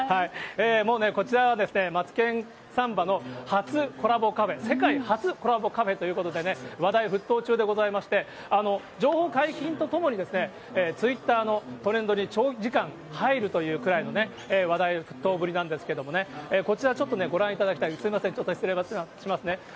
もうね、こちらはマツケンサンバの初コラボカフェ、世界初コラボカフェということでね、話題沸騰中でございまして、情報解禁とともにツイッターのトレンドに長時間入るというくらいの話題沸騰ぶりなんですけれどもね、こちらちょっとね、ご覧いただきたい、すみません、ちょっと失礼しますね。